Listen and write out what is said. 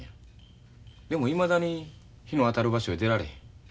でもいまだに日の当たる場所へ出られへん。